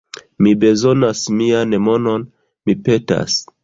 Mi bezonas mian monon, mi petas